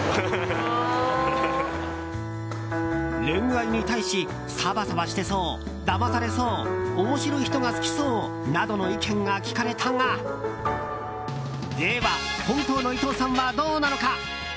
恋愛に対し、サバサバしてそうだまされそう面白い人が好きそうなどの意見が聞かれたがでは本当の伊藤さんはどうなのか。